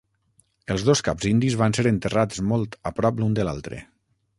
Els dos caps indis van ser enterrats molt a prop l'un de l'altre.